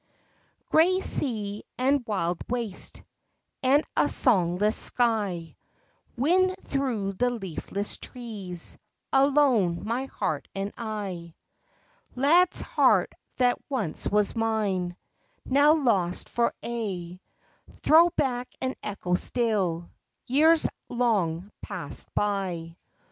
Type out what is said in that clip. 6 rey sea and wild waste And a songless sky; Wind through the leafless trees; Alone my heart and I. Lad's heart that once was mine, Now lost for aye; Throw back an echo still Years long passed by.